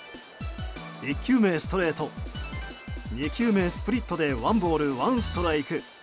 １球目、ストレート２球目、スプリットでワンボール、ワンストライク。